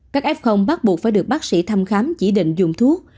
các f bắt buộc phải được bác sĩ thăm khám chỉ định dùng thuốc